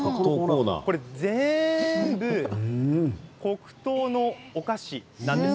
これ全部黒糖のお菓子なんです。